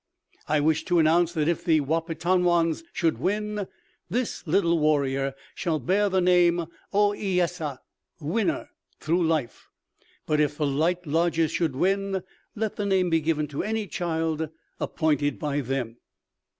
I wish to announce that if the Wahpetonwans should win, this little warrior shall bear the name Ohiyesa (winner) through life; but if the Light Lodges should win, let the name be given to any child appointed by them."